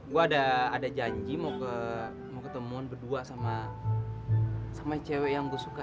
gue ada janji mau ketemu berdua sama cewek yang gue suka